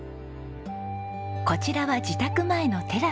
こちらは自宅前のテラス。